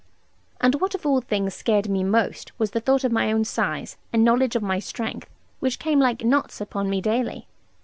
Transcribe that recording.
And what of all things scared me most was the thought of my own size, and knowledge of my strength, which came like knots upon me daily.